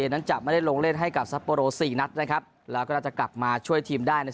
นั้นจะไม่ได้ลงเล่นให้กับซัปโปโรสี่นัดนะครับแล้วก็น่าจะกลับมาช่วยทีมได้ใน